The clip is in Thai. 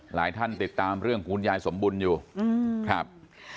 หลายท่านติดตามเรื่องคุณยายสมบุญอยู่ครับ